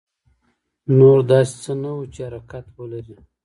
نور داسې څه نه وو چې حرکت ولري.